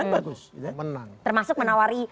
bagus menang termasuk menawari